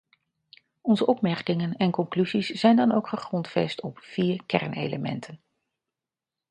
Onze opmerkingen en conclusies zijn dan ook gegrondvest op vier kernelementen.